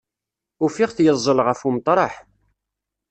Ufiɣ-t yeẓẓel ɣef umeṭreḥ.